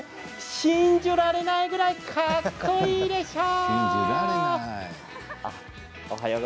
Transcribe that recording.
信じゅられないくらいかっこいいでしょう？